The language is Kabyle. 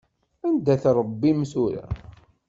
Anda-t Ṛebbi-m tura?